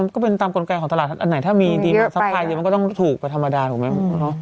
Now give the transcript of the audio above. ก็เป็นตามกลไกลของตลาดอันไหนถ้ามีดีมาซับไพด์เยอะมันก็ต้องถูกกว่าธรรมดาถูกมั้ย